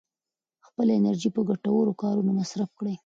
خپله انرژي په ګټورو کارونو مصرف کړئ.